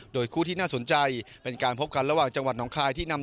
โดยในครึ่งเวลาแรกเปลี่ยนทางด้ายบุริลำเปิดเกมลุคได้มากกว่า